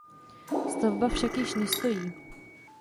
Stavba však již nestojí.